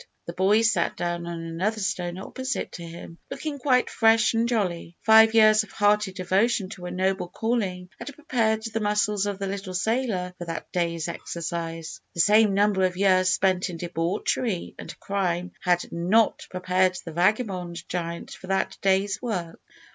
The boy sat down on another stone opposite to him, looking quite fresh and jolly. Five years of hearty devotion to a noble calling had prepared the muscles of the little sailor for that day's exercise. The same number of years spent in debauchery and crime had not prepared the vagabond giant for that day's work.